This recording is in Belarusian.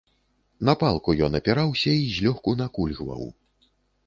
На палку ён апіраўся і злёгку накульгваў.